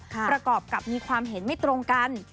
ประกอบกับมีความเห็นไม่ตรงกัน